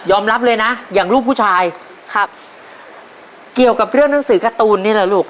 รับเลยนะอย่างลูกผู้ชายครับเกี่ยวกับเรื่องหนังสือการ์ตูนนี่แหละลูก